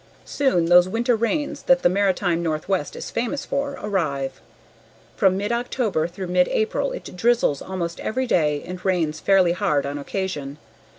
Soon those winter rains that the Maritime northwest is famous for arrive. From mid October through mid April it drizzles almost every day and rains fairly hard on occasion.